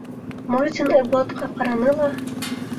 Мурзин Айбулатҡа ҡараны ла: